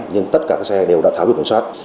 nhưng tất cả các xe đều đã tháo bị quân sát